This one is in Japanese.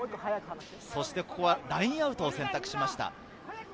ラインアウトを選択しました。